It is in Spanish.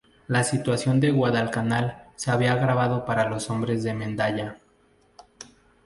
La situación en Guadalcanal se había agravado para los hombres de Mendaña.